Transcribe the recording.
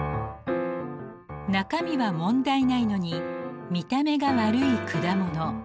中身は問題ないのに見た目が悪い果物。